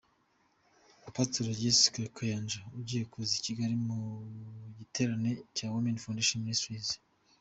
Pastor Jessica Kayanja ugiye kuza i Kigali mu giterane cya Women Foundation Ministries.